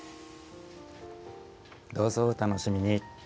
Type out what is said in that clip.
どうぞお楽しみに。